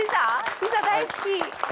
ピザ大好き！